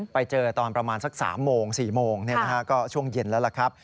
ไปเจอตอนประมาณสัก๓๔โมงช่วงเย็นแล้วครับ